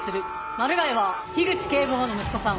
マルガイは口警部補の息子さん